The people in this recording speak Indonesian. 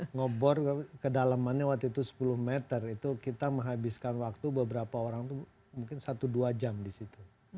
ngebor kedalamannya waktu itu sepuluh meter itu kita menghabiskan waktu beberapa orang itu mungkin satu dua jam di situ